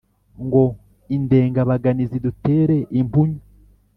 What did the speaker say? ngo indengabaganizi dutere impunyu